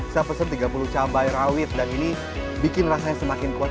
saya pesen tiga puluh cabai rawit dan ini bikin rasanya semakin kuat